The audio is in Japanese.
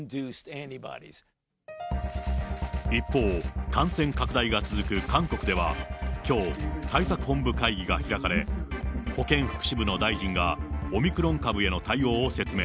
一方、感染拡大が続く韓国では、きょう、対策本部会議が開かれ、保健福祉部の大臣がオミクロン株への対応を説明。